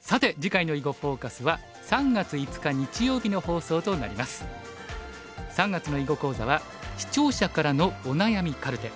さて次回の「囲碁フォーカス」は３月の囲碁講座は「視聴者からのお悩みカルテ」。